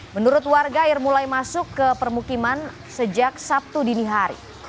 menurut warga air mulai masuk ke permukiman sejak sabtu dini hari